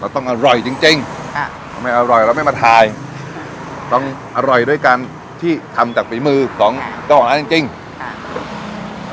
ต้องอร่อยจริงจริงค่ะไม่อร่อยเราไม่มาถ่ายต้องอร่อยด้วยการที่ทำจากฝีมือของเจ้าของร้านจริงจริงค่ะ